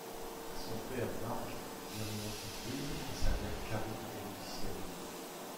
Son père, Mark, gère une entreprise et sa mère, Carrie, est musicienne.